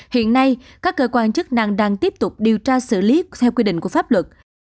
hiện nay các cơ quan chức năng đang tiếp tục điều tra xử lý theo quy định của pháp luật